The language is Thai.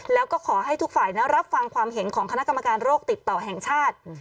แล้วก็ขอให้ทุกฝ่ายรับฟังความเห็นของคณะกรรมการโรคติดต่อแห่งชาติ